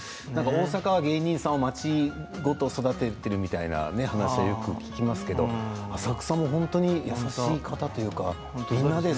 大阪は芸人さんを町ごと育てているみたいな話も聞きますけれど浅草も本当に優しい。